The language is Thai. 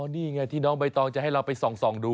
นี่ไงที่น้องใบตองจะให้เราไปส่องดู